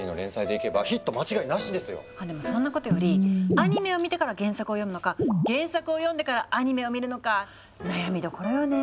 そんなことよりアニメを見てから原作を読むのか原作を読んでからアニメを見るのか悩みどころよね。